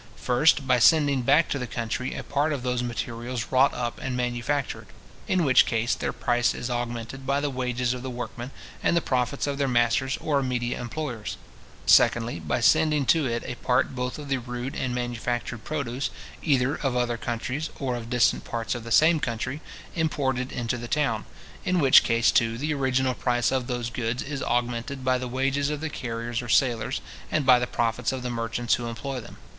First, by sending back to the country a part of those materials wrought up and manufactured; in which case, their price is augmented by the wages of the workmen, and the profits of their masters or immediate employers; secondly, by sending to it a part both of the rude and manufactured produce, either of other countries, or of distant parts of the same country, imported into the town; in which case, too, the original price of those goods is augmented by the wages of the carriers or sailors, and by the profits of the merchants who employ them.